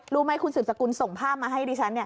รู้มั้ยคุณสืบสกุลส่งภาพมาให้ดีฉันเนี่ย